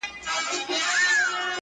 نن مي بيا يادېږي ورځ تېرېږي~